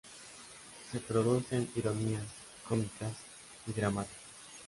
Se producen ironías cómicas y dramáticas.